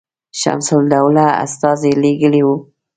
شمس الدوله استازی لېږلی وو.